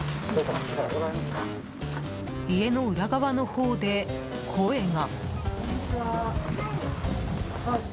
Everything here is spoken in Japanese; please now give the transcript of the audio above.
家の裏側のほうで、声が。